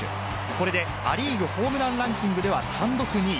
これでア・リーグホームランランキングでは単独２位。